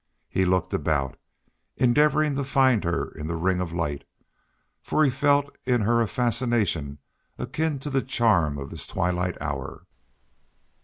He looked about, endeavoring to find her in the ring of light, for he felt in her a fascination akin to the charm of this twilight hour.